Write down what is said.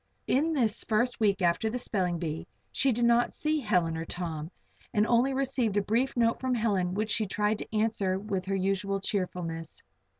In this first week after the spelling bee she did not see Helen or Tom, and only received a brief note from Helen which she tried to answer with her usual cheerfulness.